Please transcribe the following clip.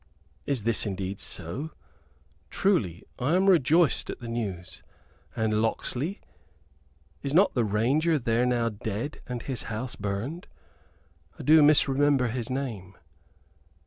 "Is this indeed so? Truly I am rejoiced at the news. And Locksley is not the Ranger there now dead, and his house burned? I do misremember his name."